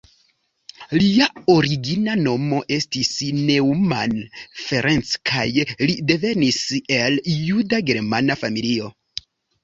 Lia origina nomo estis Neumann Ferenc kaj li devenis el juda-germana familio.